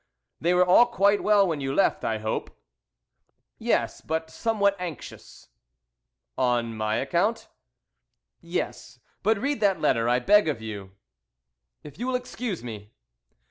"They were all quite well when you left, I hope?" "Yes, but somewhat anxious." "On my account?" "Yes; but read that letter, I beg of you." "If you will excuse me."